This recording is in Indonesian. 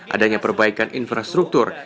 adanya perbaikan infrastruktur